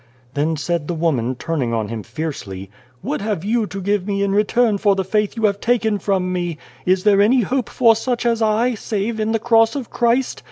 Then said the woman, turning on him fiercely :" What have you to give me in return for the faith you have taken from me ? Is there any hope for such as I, save in the Cross of Christ?